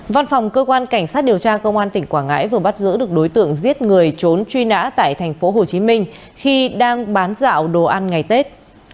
văn phòng cơ quan cảnh sát điều tra công an tỉnh quảng ngãi vừa bắt giữ được đối tượng giết người trốn truy nã tại thành phố hồ chí minh khi đang bán dạo đồ ăn ngày tết